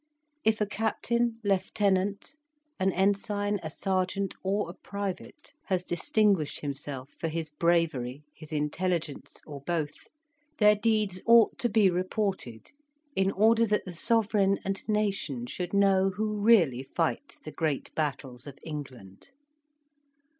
If a captain, lieutenant, an ensign, a sergeant, or a private, has distinguished himself for his bravery, his intelligence, or both, their deeds ought to be reported, in order that the sovereign and nation should know who really fight the great battles of England.